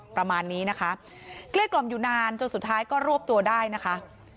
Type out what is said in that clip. ประมาณนี้นะคะเกลี้ยกล่อมอยู่นานจนสุดท้ายก็รวบตัวได้นะคะ